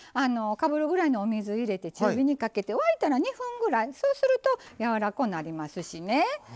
かぶるぐらいのお水を入れて中火にかけて沸いたら２分ぐらい、そうするとやわらこうなりますし。